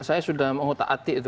saya sudah mengutak hati itu